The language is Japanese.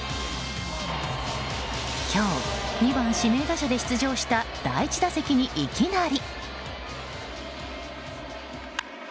今日、２番指名打者で出場した第１打席にいきなり。